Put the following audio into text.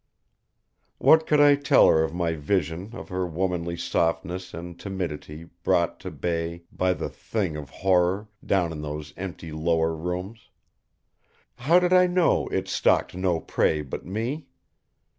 What could I tell her of my vision of her womanly softness and timidity brought to bay by the Thing of horror, down in those empty lower rooms? How did I know It stalked no prey but me?